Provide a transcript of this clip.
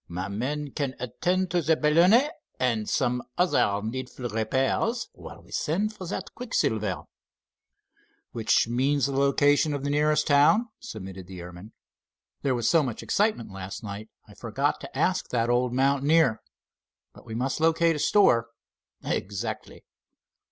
My men can attend to the balloonet and some other needful repairs while we send for that quicksilver." "Which means the location of the nearest town?" submitted the airman. "There was so much excitement last night I forgot to ask that old mountaineer. But we must locate a store." "Exactly."